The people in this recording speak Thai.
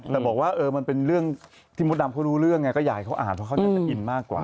แต่บอกว่ามันเป็นเรื่องที่มดดำเขารู้เรื่องไงก็อยากให้เขาอ่านเพราะเขาอยากจะอินมากกว่า